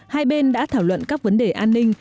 hai bên đã thảo luận các vấn đề an ninh